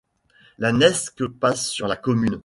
La Nesque passe sur la commune.